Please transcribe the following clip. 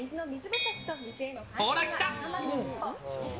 ほら来た。